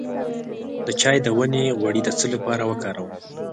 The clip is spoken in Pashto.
د چای د ونې غوړي د څه لپاره وکاروم؟